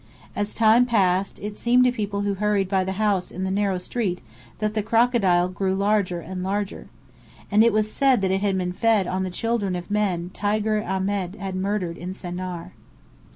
As time passed, it seemed to people who hurried by the house in the narrow street, that the crocodile grew larger and larger. It was said that it had been fed on the children of men Tiger Ahmed had murdered in Sennaar.